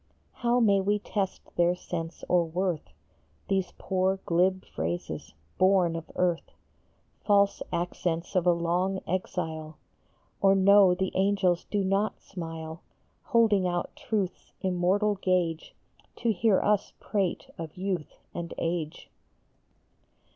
How may we test their sense or worth, These poor glib phrases, born of earth, EARLY TAKEN. 63 False accents of a long exile, Or know the angels do not smile, Holding out truth s immortal gauge, To hear us prate of youth and age